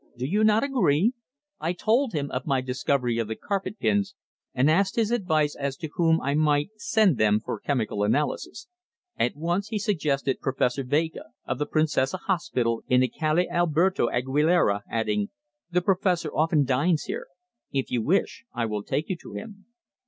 Do you not agree?" I told him of my discovery of the carpet pins, and asked his advice as to whom I might send them for chemical analysis. At once he suggested Professor Vega, of the Princesa Hospital in the Calle Alberto Aguilera, adding: "The Professor often dines here. If you wish, I will take you to him."